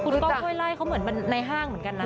นี่คุณก็ล่อยไล่เขาเหมือนในห้างเหมือนกันนะ